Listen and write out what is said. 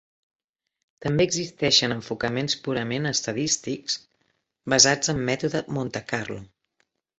També existeixen enfocaments purament estadístics, basats en Mètode Montecarlo.